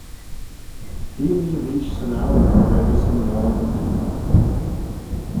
Hee'm ee reesht syn 'ouyr tra vees yn oarn creen.